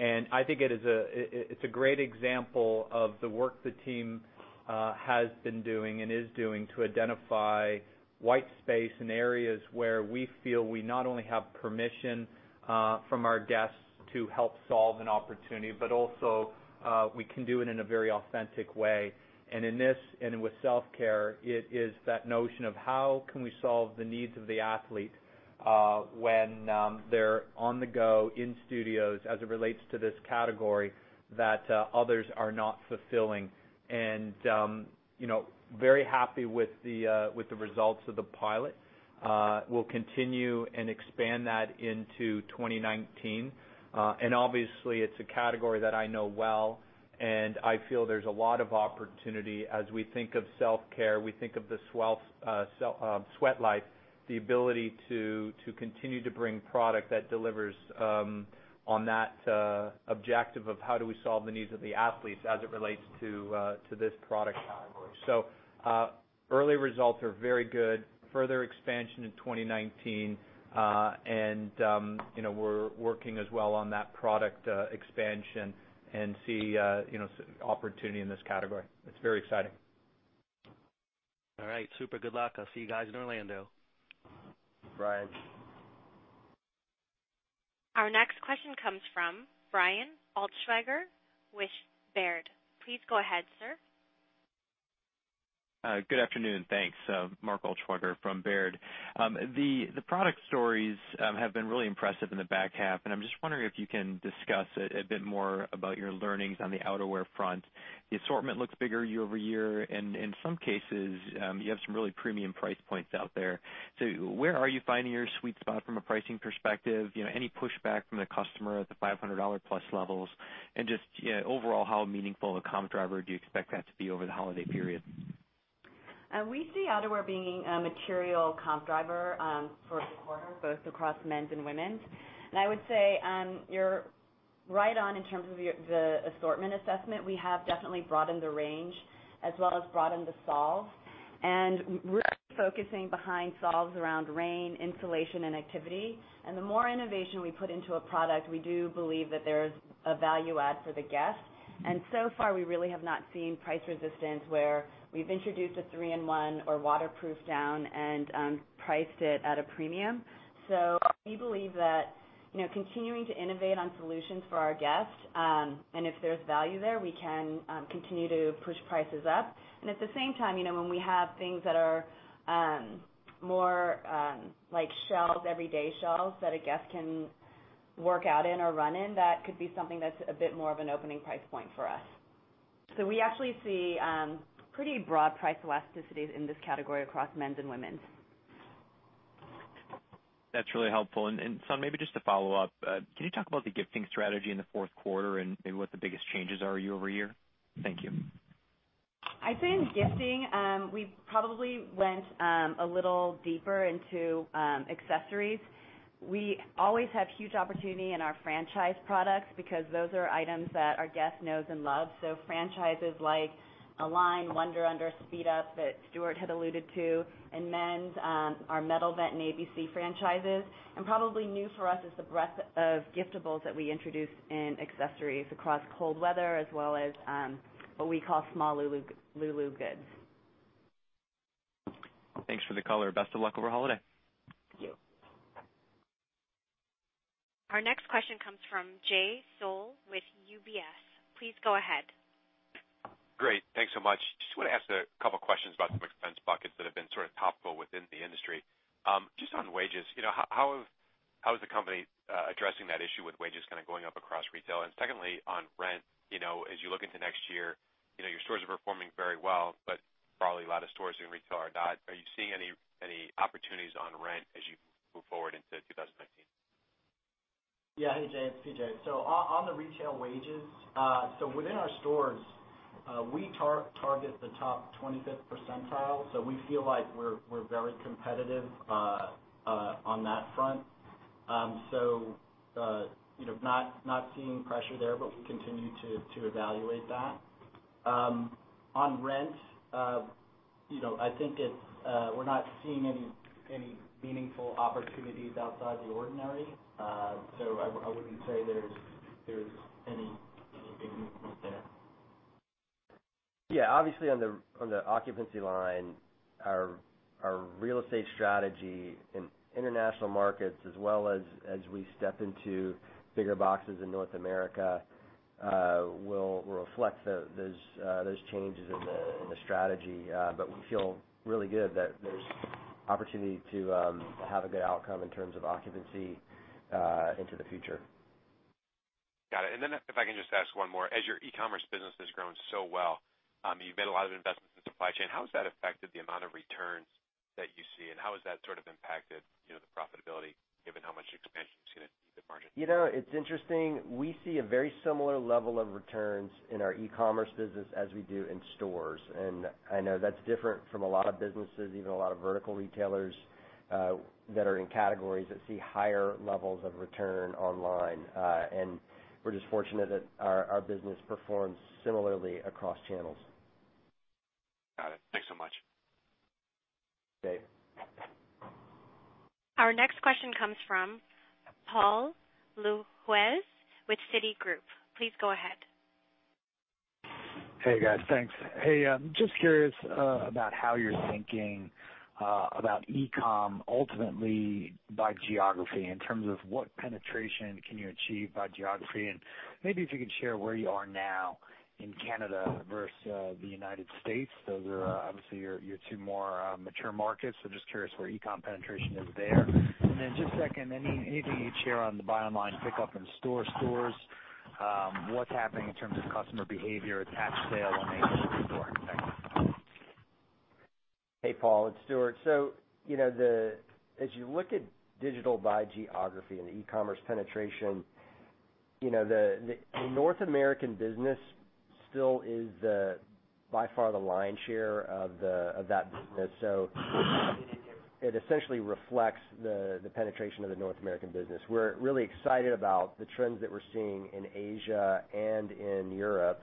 I think it's a great example of the work the team has been doing and is doing to identify white space in areas where we feel we not only have permission from our guests to help solve an opportunity, but also we can do it in a very authentic way. With self-care, it is that notion of: How can we solve the needs of the athlete? When they're on the go in studios as it relates to this category that others are not fulfilling. Very happy with the results of the pilot. We'll continue and expand that into 2019. Obviously, it's a category that I know well, and I feel there's a lot of opportunity as we think of self-care, we think of the Sweat Life, the ability to continue to bring product that delivers on that objective of how do we solve the needs of the athletes as it relates to this product category. Early results are very good. Further expansion in 2019. We're working as well on that product expansion and see opportunity in this category. It's very exciting. All right. Super. Good luck. I'll see you guys in Orlando. Right. Our next question comes from Mark Altschwager with Baird. Please go ahead, sir. Good afternoon. Thanks. Mark Altschwager from Baird. The product stories have been really impressive in the back half, and I'm just wondering if you can discuss a bit more about your learnings on the outerwear front. The assortment looks bigger year-over-year, and in some cases, you have some really premium price points out there. Where are you finding your sweet spot from a pricing perspective? Any pushback from the customer at the $500 plus levels, and just overall, how meaningful a comp driver do you expect that to be over the holiday period? We see outerwear being a material comp driver for the quarter, both across men's and women's. I would say, you're right on in terms of the assortment assessment. We have definitely broadened the range as well as broadened the solve. We're focusing behind solves around rain, insulation, and activity. The more innovation we put into a product, we do believe that there's a value add for the guest. So far, we really have not seen price resistance where we've introduced a three-in-one or waterproof down and priced it at a premium. We believe that continuing to innovate on solutions for our guests, and if there's value there, we can continue to push prices up. At the same time, when we have things that are more like everyday shells that a guest can work out in or run in, that could be something that's a bit more of an opening price point for us. We actually see pretty broad price elasticities in this category across men's and women's. That's really helpful. Sun, maybe just to follow up. Can you talk about the gifting strategy in the fourth quarter and maybe what the biggest changes are year-over-year? Thank you. I'd say in gifting, we probably went a little deeper into accessories. We always have huge opportunity in our franchise products because those are items that our guest knows and loves. Franchises like Align, Wunder Under, Speed Up that Stuart had alluded to. In men's, our Metal Vent and ABC franchises. Probably new for us is the breadth of giftables that we introduced in accessories across cold weather as well as what we call small Lulu goods. Thanks for the color. Best of luck over holiday. Thank you. Our next question comes from Jay Sole with UBS. Please go ahead. Great. Thanks so much. Just wanted to ask a couple questions about some expense buckets that have been sort of topical within the industry. Just on wages, how is the company addressing that issue with wages kind of going up across retail? Secondly, on rent, as you look into next year, your stores are performing very well, but probably a lot of stores in retail are not. Are you seeing any opportunities on rent as you move forward into 2019? Hey, Jay. On the retail wages, within our stores, we target the top 25th percentile. We feel like we're very competitive on that front. Not seeing pressure there, but we continue to evaluate that. On rent, I think we're not seeing any meaningful opportunities outside the ordinary. I wouldn't say there's any big movement there. Obviously on the occupancy line, our real estate strategy in international markets as well as we step into bigger boxes in North America, will reflect those changes in the strategy. We feel really good that there's opportunity to have a good outcome in terms of occupancy into the future. Got it. Then if I can just ask one more. As your e-commerce business has grown so well, you've made a lot of investments in supply chain. How has that affected the amount of returns that you see, and how has that sort of impacted the profitability given how much expansion you've seen at the margin? It's interesting. We see a very similar level of returns in our e-commerce business as we do in stores. I know that's different from a lot of businesses, even a lot of vertical retailers that are in categories that see higher levels of return online. We're just fortunate that our business performs similarly across channels. Got it. Thanks so much. Okay. Our next question comes from Paul Lejuez with Citigroup. Please go ahead. Hey, guys. Thanks. Hey, just curious about how you're thinking about e-com ultimately by geography in terms of what penetration can you achieve by geography, and maybe if you could share where you are now in Canada versus the United States. Those are obviously your two more mature markets, so just curious where e-com penetration is there. Just second, anything you'd share on the buy online, pick up in store scores. What's happening in terms of customer behavior attach sale and in store? Thanks. Hey, Paul, it's Stuart. As you look at digital by geography and e-commerce penetration, the North American business still is the by far the lion's share of that business. It essentially reflects the penetration of the North American business. We're really excited about the trends that we're seeing in Asia and in Europe.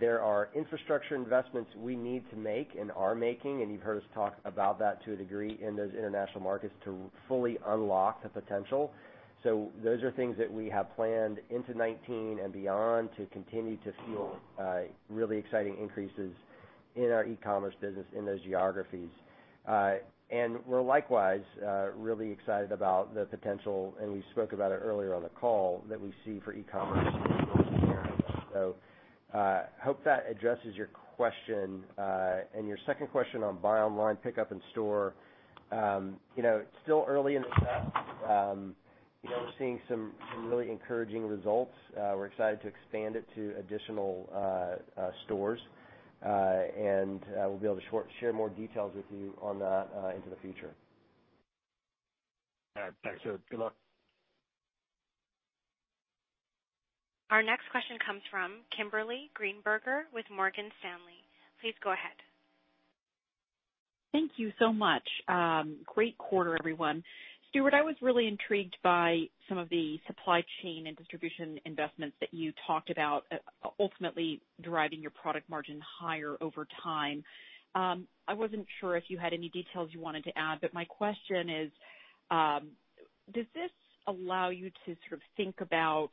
There are infrastructure investments we need to make and are making, and you've heard us talk about that to a degree in those international markets to fully unlock the potential. Those are things that we have planned into 2019 and beyond to continue to fuel really exciting increases in our e-commerce business in those geographies. We're likewise really excited about the potential, and we spoke about it earlier on the call, that we see for e-commerce in Europe. Hope that addresses your question. Your second question on buy online, pick up in store. It's still early in the process. We're seeing some really encouraging results. We're excited to expand it to additional stores. We'll be able to share more details with you on that into the future. All right. Thanks, Stuart. Good luck. Our next question comes from Kimberly Greenberger with Morgan Stanley. Please go ahead. Thank you so much. Great quarter, everyone. Stuart, I was really intrigued by some of the supply chain and distribution investments that you talked about ultimately driving your product margin higher over time. I wasn't sure if you had any details you wanted to add, but my question is, does this allow you to sort of think about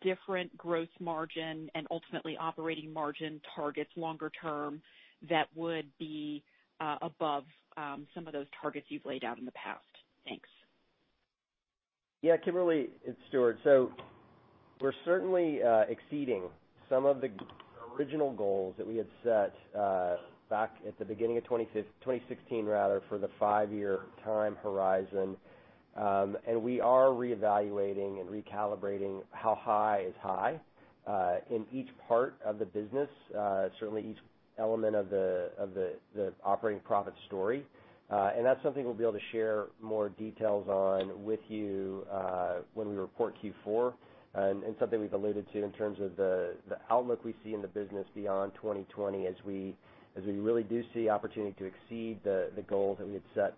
different gross margin and ultimately operating margin targets longer term that would be above some of those targets you've laid out in the past? Thanks. Yeah, Kimberly, it's Stuart. We're certainly exceeding some of the original goals that we had set back at the beginning of 2016 for the five-year time horizon. We are reevaluating and recalibrating how high is high in each part of the business, certainly each element of the operating profit story. That's something we'll be able to share more details on with you when we report Q4 and something we've alluded to in terms of the outlook we see in the business beyond 2020 as we really do see opportunity to exceed the goals that we had set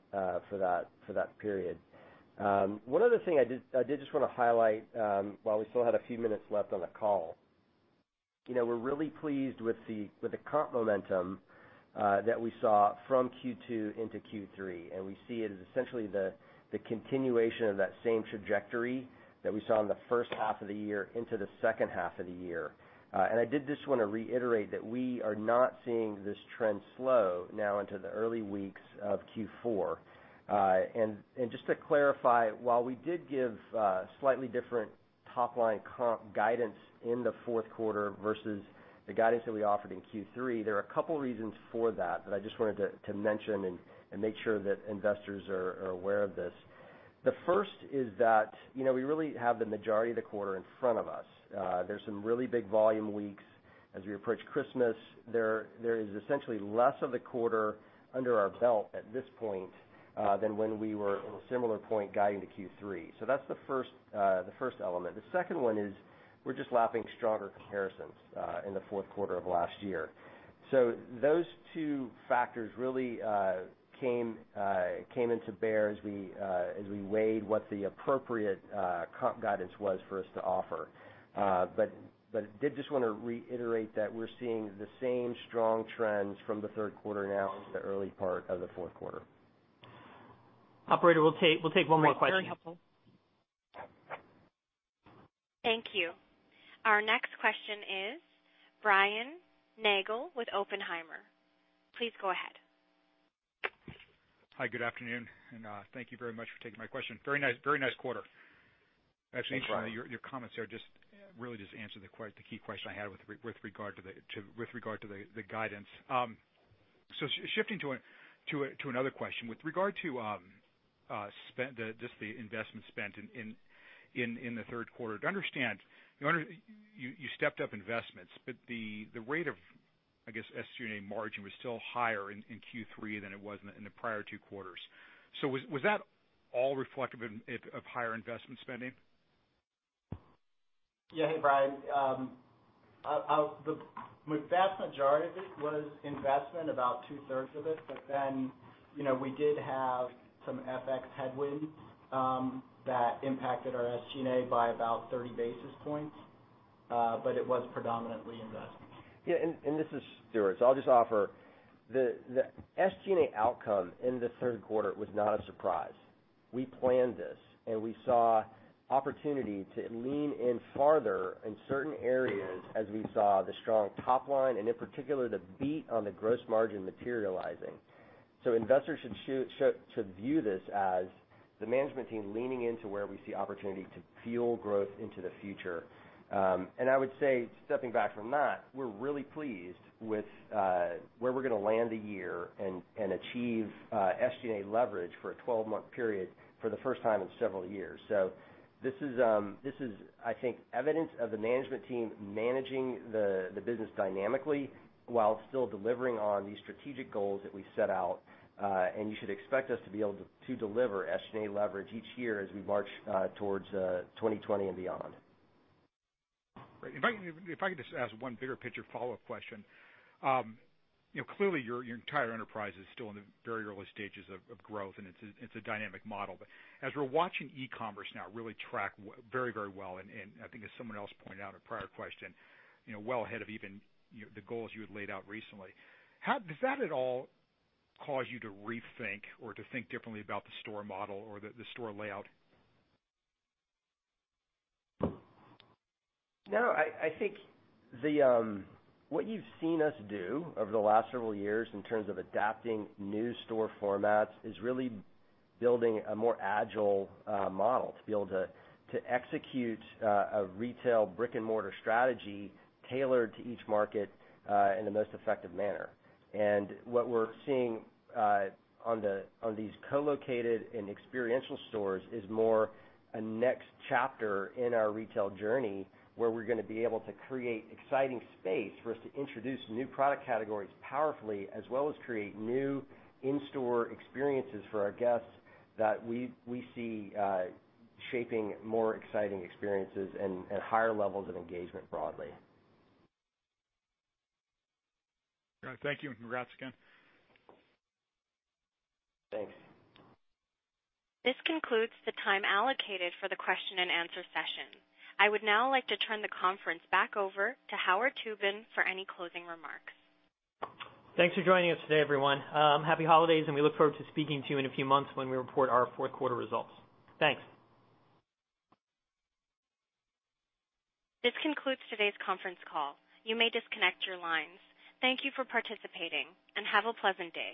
for that period. One other thing I did just want to highlight while we still had a few minutes left on the call. We're really pleased with the comp momentum that we saw from Q2 into Q3. We see it as essentially the continuation of that same trajectory that we saw in the first half of the year into the second half of the year. I did just want to reiterate that we are not seeing this trend slow now into the early weeks of Q4. Just to clarify, while we did give slightly different top-line comp guidance in the fourth quarter versus the guidance that we offered in Q3, there are a couple of reasons for that I just wanted to mention and make sure that investors are aware of this. The first is that we really have the majority of the quarter in front of us. There's some really big volume weeks as we approach Christmas. There is essentially less of the quarter under our belt at this point than when we were at a similar point guiding to Q3. That's the first element. The second one is we're just lapping stronger comparisons in the fourth quarter of last year. Those 2 factors really came to bear as we weighed what the appropriate comp guidance was for us to offer. Did just want to reiterate that we're seeing the same strong trends from the third quarter now into the early part of the fourth quarter. Operator, we'll take 1 more question. Great. Very helpful. Thank you. Our next question is Brian Nagel with Oppenheimer. Please go ahead. Hi, good afternoon, thank you very much for taking my question. Very nice quarter. Thanks, Brian. Actually, some of your comments there just really answered the key question I had with regard to the guidance. Shifting to another question, with regard to just the investment spent in the third quarter. To understand, you stepped up investments, but the rate of, I guess, SG&A margin was still higher in Q3 than it was in the prior two quarters. Was that all reflective of higher investment spending? Yeah. Hey, Brian. The vast majority of it was investment, about two-thirds of it. We did have some FX headwinds that impacted our SG&A by about 30 basis points. It was predominantly investment. Yeah, this is Stuart. I'll just offer, the SG&A outcome in the third quarter was not a surprise. We planned this, we saw opportunity to lean in farther in certain areas as we saw the strong top line and in particular, the beat on the gross margin materializing. Investors should view this as the management team leaning into where we see opportunity to fuel growth into the future. I would say, stepping back from that, we're really pleased with where we're going to land the year and achieve SG&A leverage for a 12-month period for the first time in several years. This is, I think, evidence of the management team managing the business dynamically while still delivering on the strategic goals that we set out. You should expect us to be able to deliver SG&A leverage each year as we march towards 2020 and beyond. Great. If I could just ask one bigger picture follow-up question. Clearly, your entire enterprise is still in the very early stages of growth, and it's a dynamic model. As we're watching e-commerce now really track very well, and I think as someone else pointed out in a prior question, well ahead of even the goals you had laid out recently, does that at all cause you to rethink or to think differently about the store model or the store layout? No, I think what you've seen us do over the last several years in terms of adapting new store formats is really building a more agile model to be able to execute a retail brick and mortar strategy tailored to each market in the most effective manner. What we're seeing on these co-located and experiential stores is more a next chapter in our retail journey, where we're going to be able to create exciting space for us to introduce new product categories powerfully, as well as create new in-store experiences for our guests that we see shaping more exciting experiences and higher levels of engagement broadly. All right. Thank you, and congrats again. Thanks. This concludes the time allocated for the question and answer session. I would now like to turn the conference back over to Howard Tubin for any closing remarks. Thanks for joining us today, everyone. Happy holidays, and we look forward to speaking to you in a few months when we report our fourth quarter results. Thanks. This concludes today's conference call. You may disconnect your lines. Thank you for participating and have a pleasant day.